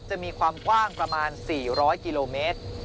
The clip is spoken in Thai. จะมีความกว้างประมาณ๔๐๐กิโลเมตร